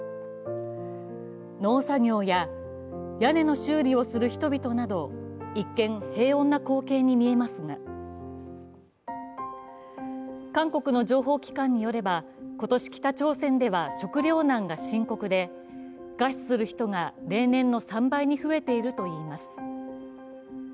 農作業や屋根の修理をする人々など、一見、平穏な光景に見えますが韓国の情報機関によれば今年、北朝鮮では食糧難が深刻で餓死する人が例年の３倍に増えているといいます。